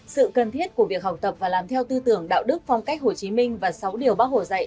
sự cần thiết của việc học tập và làm theo tư tưởng đạo đức phong cách hồ chí minh và sáu điều bác hồ dạy